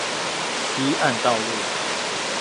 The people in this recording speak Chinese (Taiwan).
西岸道路